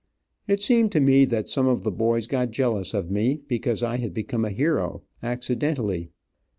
It seemed to me that some of the boys got jealous of me, because I had become a hero, accidentally.